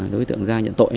đối tượng giang nhận tội